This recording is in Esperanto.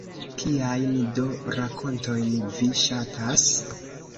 Kiajn do rakontojn vi ŝatas?